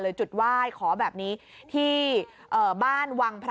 ยัง